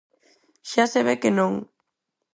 Xa se ve que non.